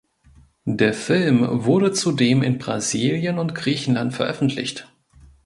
Der Film wurde zudem in Brasilien und Griechenland veröffentlicht.